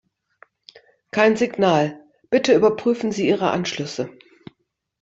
Kein Signal. Bitte überprüfen Sie Ihre Anschlüsse.